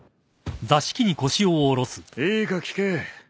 いいか聞け。